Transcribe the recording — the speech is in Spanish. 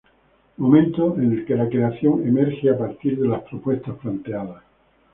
Momento en el que la creación emerge a partir de las propuestas planteadas.